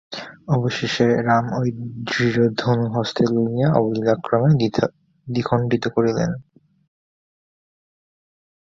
অবশেষে রাম ঐ দৃঢ় ধনু হস্তে লইয়া অবলীলাক্রমে দ্বিখণ্ডিত করিলেন।